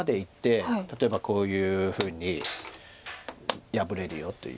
例えばこういうふうに破れるよという。